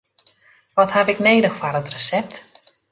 Wat haw ik nedich foar it resept?